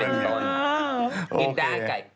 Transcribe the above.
กินได้